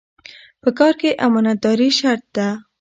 په کار کې امانتداري شرط ده.